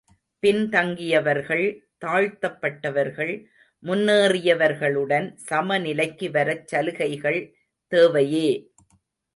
பின் தங்கியவர்கள், தாழ்த்தப்பட்டவர்கள் முன்னேறியவர்களுடன் சம நிலைக்கு வரச் சலுகைகள் தேவையே!